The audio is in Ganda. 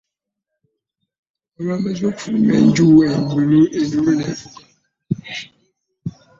Olwamaze okufuluma enju enduulu n'evuga.